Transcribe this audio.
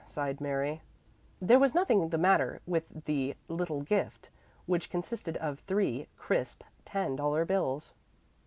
sighed Mary), there was nothing the matter with the "little gift," which consisted of three crisp ten dollar bills.